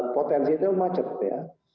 potensinya itu macet ya